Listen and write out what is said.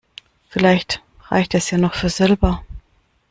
Vielleicht reicht es ja noch für Silber.